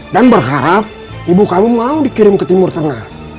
dan berharap ibu kamu mau dikirim ke timur tengah